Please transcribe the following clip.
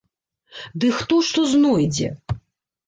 Ды хто што знойдзе!